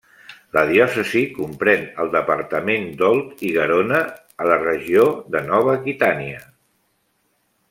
La diòcesi comprèn el departament d'Òlt i Garona, a la regió de Nova Aquitània.